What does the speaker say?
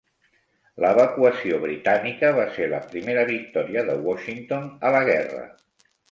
L'evacuació britànica va ser la primera victòria de Washington a la guerra.